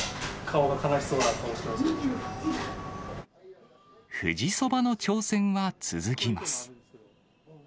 顔が、悲しそうな顔をしてま富士そばの挑戦は続きます。